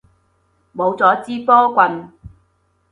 冇咗支波棍